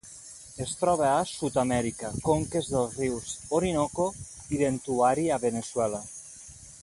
Es troba a Sud-amèrica: conques dels rius Orinoco i Ventuari a Veneçuela.